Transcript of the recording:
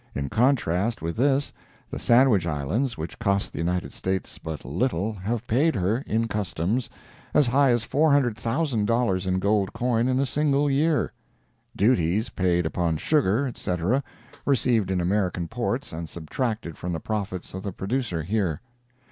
In contrast with this, the Sandwich Islands, which cost the United States but little, have paid her, in customs, as high as $400,000 in gold coin in a single year! duties paid upon sugar, etc., received in American ports and subtracted from the profits of the producer here.